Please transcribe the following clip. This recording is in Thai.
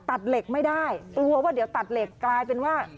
ตัดเหล็กไม่ได้กลัวว่าเดี๋ยวตัดเหล็กกลายเป็นว่า